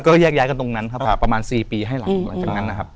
ก็แยกย้ายกันตรงนั้นครับครับประมาณ๔ปีให้หลัง